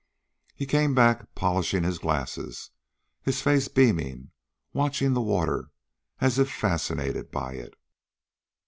He came back, polishing his glasses, his face beaming, watching the water as if fascinated by it.